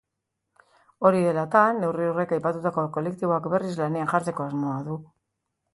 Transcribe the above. Hori dela eta, neurri horrek aipatutako kolektiboak berriz lanean jartzeko asmoa du.